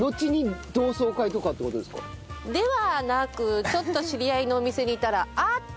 ではなくちょっと知り合いのお店にいたらあっ！って